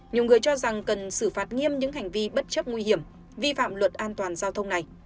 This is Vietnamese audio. nhiều người cho rằng cần xử phạt nghiêm những hành vi bất chấp nguy hiểm vi phạm luật an toàn giao thông này